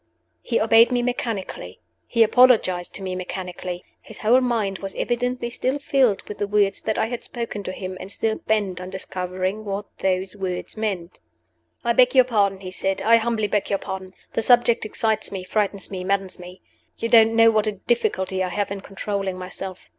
He obeyed me mechanically. He apologized to me mechanically. His whole mind was evidently still filled with the words that I had spoken to him, and still bent on discovering what those words meant. "I beg your pardon," he said; "I humbly beg your pardon. The subject excites me, frightens me, maddens me. You don't know what a difficulty I have in controlling myself.